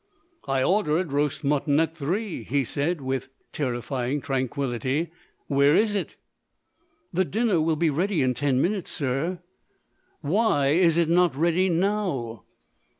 "I ordered roast mutton at three," he said, with terrifying tranquillity. "Where is it?" "The dinner will be ready in ten minutes, sir." "Why is it not ready now?"